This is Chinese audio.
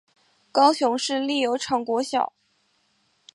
高雄市立油厂国小